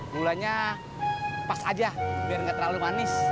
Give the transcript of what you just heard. gulanya pas aja biar nggak terlalu manis